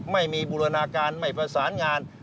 ไม่มีบุรณาการไม่ประสานงาน